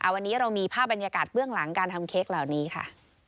วันนี้เรามีภาพบรรยากาศเบื้องหลังการทำเค้กเหล่านี้ค่ะ